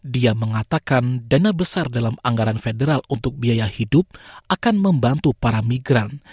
dia mengatakan dana besar dalam anggaran federal untuk biaya hidup akan membantu para migran